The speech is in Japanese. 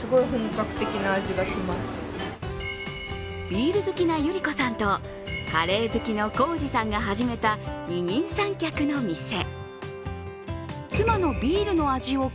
ビール好きな祐理子さんとカレー好きの耕史さんが始めた二人三脚のお店。